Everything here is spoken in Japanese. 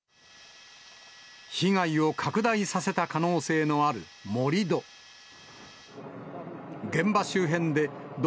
被害を拡大させた可能性のある盛り土。